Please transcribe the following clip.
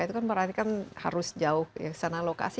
itu kan berarti kan harus jauh kesana lokasi